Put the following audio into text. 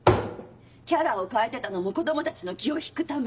キャラを変えてたのも子供たちの気を引くため？